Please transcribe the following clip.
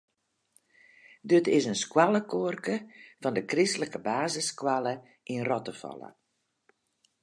Dit is it skoalkoarke fan de kristlike basisskoalle yn Rottefalle.